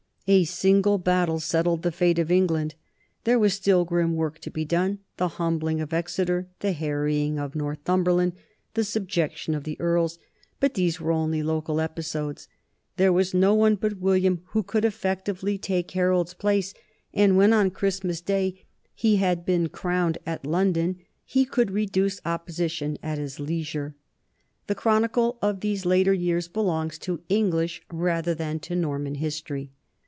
"A single battle settled the fate of England." There was still grim work to be done the humbling of Exe ter, the harrying of Northumberland, the subjection of the earls, but these were only local episodes. There was no one but William who could effectively take Harold's place, and when on Christmas Day he had NORMANDY AND ENGLAND 81 been crowned at London, he could reduce opposition at his leisure. The chronicle of these later years belongs to English rather than to Norman history.